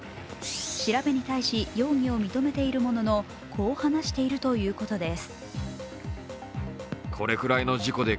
調べに対し容疑を認めているもののこう話しているということです。